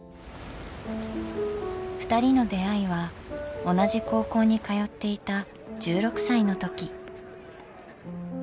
ふたりの出会いは同じ高校に通っていた１６歳の時。